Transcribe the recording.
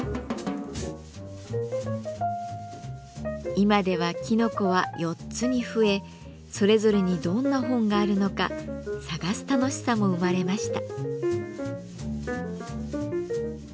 今ではきのこは４つに増えそれぞれにどんな本があるのか探す楽しさも生まれました。